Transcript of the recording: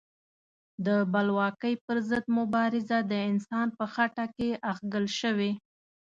د بلواکۍ پر ضد مبارزه د انسان په خټه کې اغږل شوې.